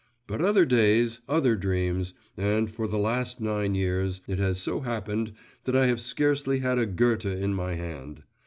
… But other days, other dreams, and for the last nine years, it has so happened, that I have scarcely had a Goethe in my hand.